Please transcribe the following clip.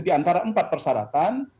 diantara empat persyaratan